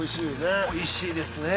おいしいですね。